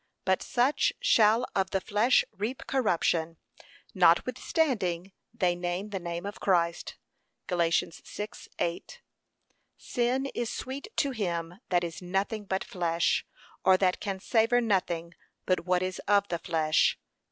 But such shall of the flesh reap corruption,' notwithstanding they name the name of Christ. (Gal. 6:8) Sin is sweet to him that is nothing but flesh, or that can savour nothing but what is of the flesh.